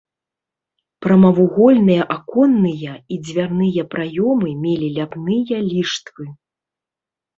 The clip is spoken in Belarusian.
Прамавугольныя аконныя і дзвярныя праёмы мелі ляпныя ліштвы.